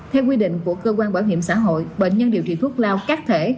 theo quy định của cơ quan bảo hiểm xã hội bệnh nhân điều trị thuốc lao các thể